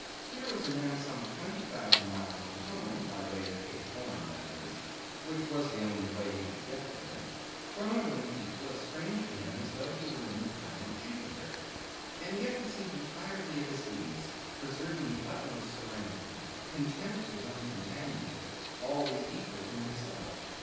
Here was a man some twenty thousand miles from home, by the way of Cape Horn, that is—which was the only way he could get there—thrown among people as strange to him as though he were in the planet Jupiter; and yet he seemed entirely at his ease; preserving the utmost serenity; content with his own companionship; always equal to himself.